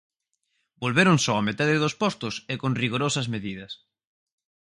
Volveron só a metade dos postos, e con rigorosas medidas.